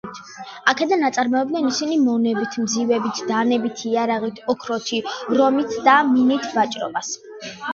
აქედან აწარმოებდნენ ისინი მონებით, მძივებით, დანებით, იარაღით, ოქროთი, რომით და მინით ვაჭრობას.